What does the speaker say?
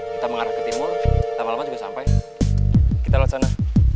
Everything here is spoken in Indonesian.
kita mengarah ke timur lama lama juga sampai kita laksana